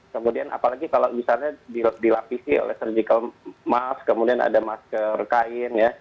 kemudian apalagi kalau misalnya dilapisi oleh surgical musk kemudian ada masker kain ya